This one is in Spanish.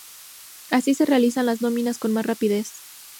Así se realizan las nóminas con más rapidez.